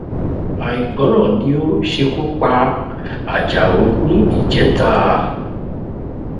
Àìgbọràn ni ó ṣekú pa Àjàó ní ìjẹtàá